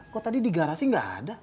kok tadi di garasi gak ada